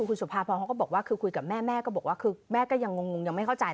คุณสุภาพรเขาก็บอกว่าคือคุยกับแม่แม่ก็บอกว่าคือแม่ก็ยังงงยังไม่เข้าใจ